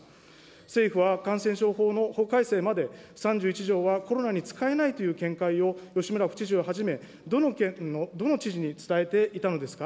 政府は感染症法の法改正まで、３１条はコロナに使えないという見解を吉村府知事をはじめ、どの県のどの知事に伝えていたのですか。